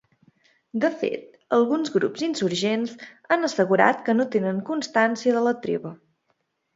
De fet, alguns grups insurgents han assegurat que no tenen constància de la treva.